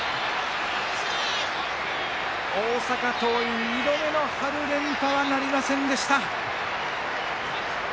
大阪桐蔭、２度目の春連覇はなりませんでした。